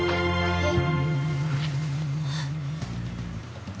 えっ？